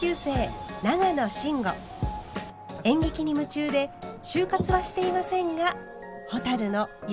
演劇に夢中で就活はしていませんがほたるのよき相談相手です。